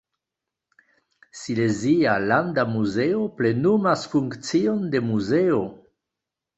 Silezia landa muzeo plenumas funkcion de muzeo.